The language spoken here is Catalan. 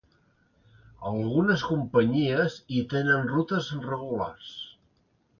Algunes companyies hi tenen rutes regulars.